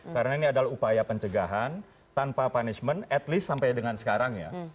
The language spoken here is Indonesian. karena ini adalah upaya pencegahan tanpa penyesuaian setidaknya sampai dengan sekarang ya